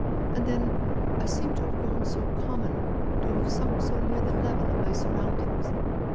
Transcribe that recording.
And then I seem to have grown so common, to have sunk so near the level of my surroundings.